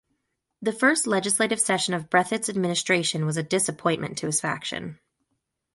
The first legislative session of Breathitt's administration was a disappointment to his faction.